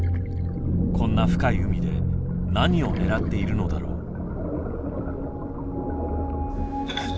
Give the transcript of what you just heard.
こんな深い海で何を狙っているのだろう？